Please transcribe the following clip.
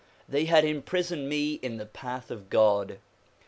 They had imprisoned me in the path of God.